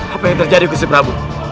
apa yang terjadi kusip rabu